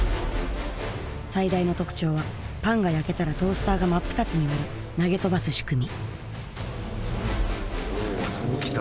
最大の特徴はパンが焼けたらトースターが真っ二つに割れ投げ飛ばす仕組み